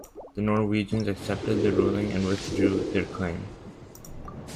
The Norwegians accepted the ruling and withdrew their claim.